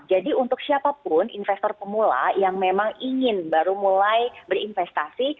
jadi untuk siapapun investor pemula yang memang ingin baru mulai berinvestasi